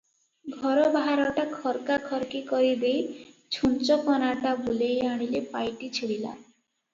ଘର ବାହାରଟା ଖର୍କାଖର୍କି କରି ଦେଇ ଛୁଞ୍ଚକନାଟା ବୁଲେଇ ଆଣିଲେ ପାଇଟି ଛିଡ଼ିଲା ।